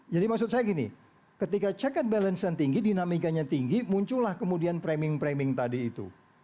jadi maksud saya gini ketika check and balance nya tinggi dinamikanya tinggi muncullah kemudian framing framing tadi itu